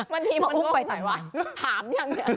วันนี้มาพูดไปไหนวะถามอย่างเงี้ย